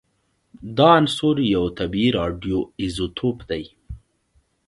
دا عنصر یو طبیعي راډیو ایزوتوپ دی